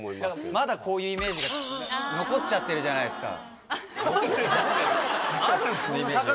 まだこういうイメージが残っちゃってるじゃないですか。